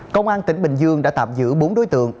công an tỉnh bình dương đã tạm giữ bốn đối tượng